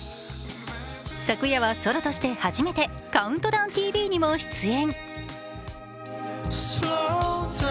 昨夜はソロとして初めて「ＣＤＴＶ」にも出演。